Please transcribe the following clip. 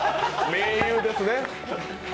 盟友ですね。